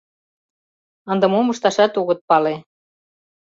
Ынде мом ышташат огыт пале.